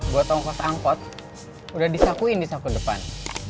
buat ongkos angkot udah disakuin di sakun depan